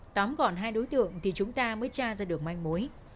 tóm gọn hai đối tượng thì chúng ta mới tra ra được manh mối